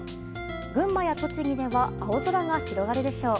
群馬や栃木では青空が広がるでしょう。